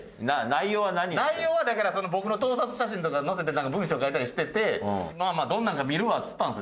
内容はだから僕の盗撮写真とかを載せてなんか文章書いたりしててまあまあどんなんか見るわっつったんですよ。